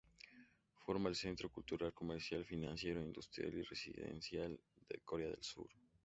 Forma el centro cultural, comercial, financiero, industrial, y residencial de Corea del Sur.